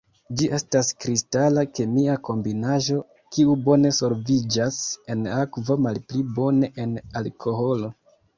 Ĝi estas kristala kemia kombinaĵo, kiu bone solviĝas en akvo, malpli bone en alkoholo.